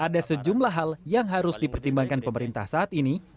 keempat hal yang harus dipertimbangkan pemerintah saat ini